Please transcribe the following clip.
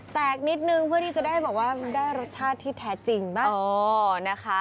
แตกนิดนึงเพื่อที่จะได้แบบว่าได้รสชาติที่แท้จริง